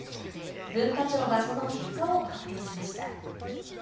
文化庁がその結果を発表しました。